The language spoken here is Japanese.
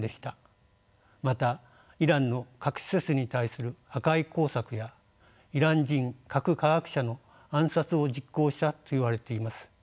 またイランの核施設に対する破壊工作やイラン人核科学者の暗殺を実行したといわれています。